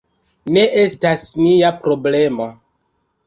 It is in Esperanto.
Ne estas nia problemo.